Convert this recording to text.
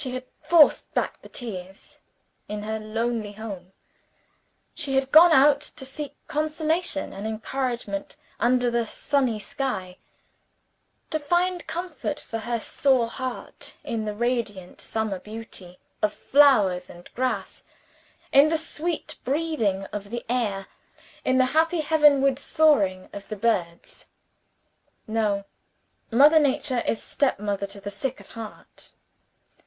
She had forced back the tears, in her lonely home; she had gone out to seek consolation and encouragement under the sunny sky to find comfort for her sore heart in the radiant summer beauty of flowers and grass, in the sweet breathing of the air, in the happy heavenward soaring of the birds. No! Mother Nature is stepmother to the sick at heart.